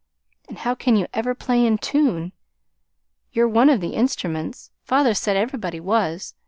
And how can you ever play in tune? You're one of the instruments. Father said everybody was.